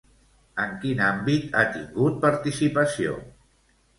En quin àmbit ha tingut participació?